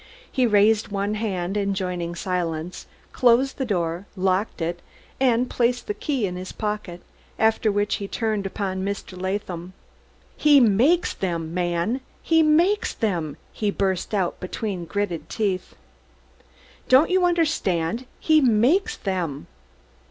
He raised one hand, enjoining silence, closed the door, locked it and placed the key in his pocket, after which he turned upon Mr. Latham. "He makes them, man! He makes them!" he burst out between gritting teeth. "Don't you understand? _He makes them!